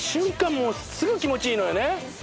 もうすぐ気持ちいいのよね